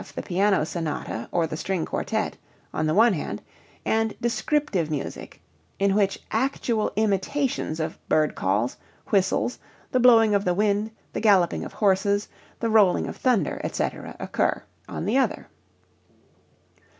the piano sonata or the string quartet) on the one hand, and descriptive music (in which actual imitations of bird calls, whistles, the blowing of the wind, the galloping of horses, the rolling of thunder, etc., occur), on the other.